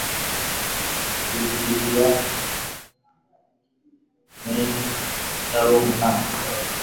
yehizikiya mwene shalumu na